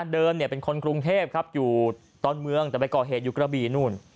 เดิมเป็นคนกรุงเทพครับอยู่ตอนเมืองแต่ไปก่อเหตุอยู่กระบี่นู่น